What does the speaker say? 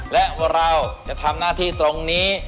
และเราจะทำหน้าที่ตรงนี้